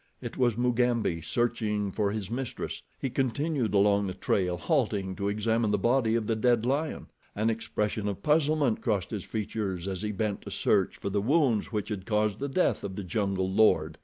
It was Mugambi, searching for his mistress. He continued along the trail, halting to examine the body of the dead lion. An expression of puzzlement crossed his features as he bent to search for the wounds which had caused the death of the jungle lord.